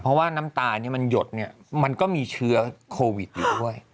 เพราะว่าน้ำตามันหยดเนี่ยมันก็มีเชื้อโควิดอยู่ด้วย